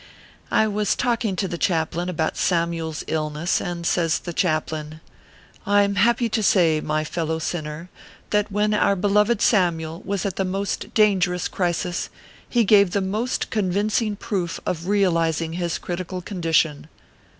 I was talking to the chaplain about Sarnyule s ill ness, and says the chaplain :" I am happy to say, my fellow sinner, that when our beloved Samyule was at the most dangerous crisis, he gave the most convincing proof of realizing his critical condition."